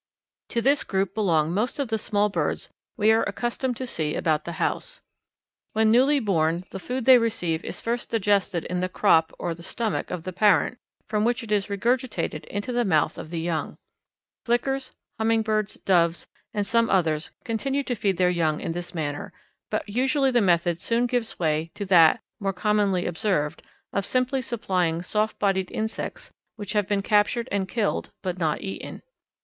To this group belong most of the small birds we are accustomed to see about the house. When newly born the food they receive is first digested in the crop or the stomach of the parent from which it is regurgitated into the mouth of the young. Flickers, Hummingbirds, Doves, and some others continue to feed their young in this manner, but usually the method soon gives way to that, more commonly observed, of simply supplying soft bodied insects which have been captured and killed but not eaten.